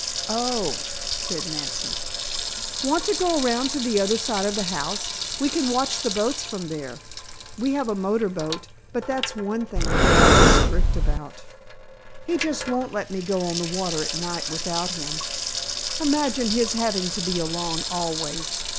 "Oh," said Nancy. "Want to go around to the other side of the house? We can watch the boats from there. We have a motorboat but that's one thing dad is strict about. He just won't let me go on the water at night without him imagine his having to be along always.